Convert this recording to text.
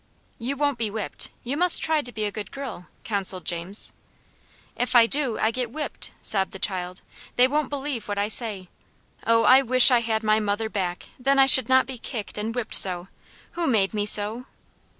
"You won't be whipped. You must try to be a good girl," counselled James. "If I do, I get whipped," sobbed the child. "They won't believe what I say. Oh, I wish I had my mother back; then I should not be kicked and whipped so. Who made me so?"